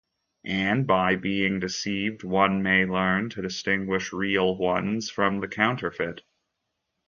And by being deceived, one may learn to distinguish real ones from the counterfeit.